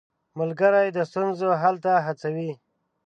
ملګری د ستونزو حل ته هڅوي.